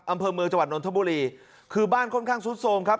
อำเภอเมืองจังหวัดนทบุรีคือบ้านค่อนข้างซุดโทรมครับ